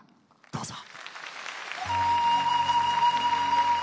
どうぞ。